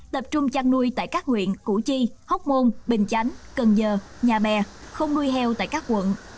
tập trung chăn nuôi tại các nguyện củ chi hốc môn bình chánh cân dơ nhà bè không nuôi heo tại các quận